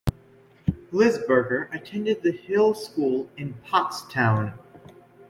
Lisberger attended The Hill School in Pottstown.